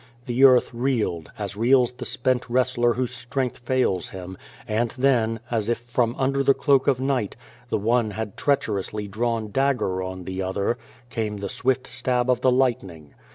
The earth reeled, as reels the spent wrestler whose strength fails him, and then, as if from under the cloak of night, the one had treacherously drawn dagger on the other, came the swift stab of the lightning.